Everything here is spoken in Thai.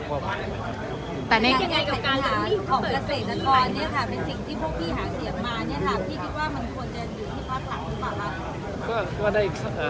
คิดว่ามันควรจะอยู่ที่ภาคหลังหรือเปล่า